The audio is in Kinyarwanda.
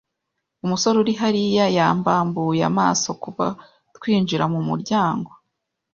Umusore uri hariya yambambuye amaso kuva twinjira mumuryango.